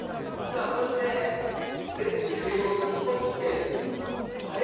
さぁそしてフレンチシェフ男がここに来て。